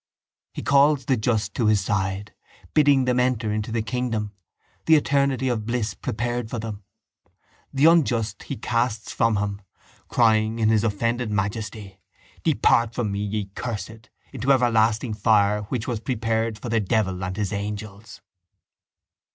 He calls the just to His side, bidding them enter into the kingdom, the eternity of bliss prepared for them. The unjust He casts from Him, crying in His offended majesty: _Depart from me, ye cursed, into everlasting fire which was prepared for the devil and his angels.